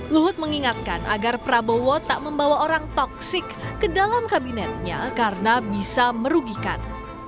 luhut mengingatkan agar prabowo tak membawa orang toksik ke dalam kabinetnya karena bisa merugikan